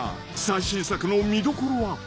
最新作の見どころは？］